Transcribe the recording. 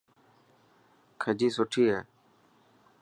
کجي سٺي هي.